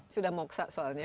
sudah moksa soalnya